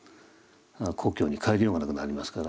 故郷に帰りようがなくなりますから。